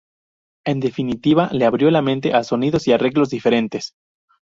En definitiva le abrió la mente a sonidos y arreglos diferentes.